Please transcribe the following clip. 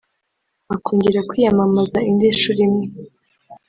akongera kwiyamamaza indi nshuro imwe